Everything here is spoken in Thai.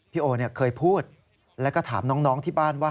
โอเคยพูดแล้วก็ถามน้องที่บ้านว่า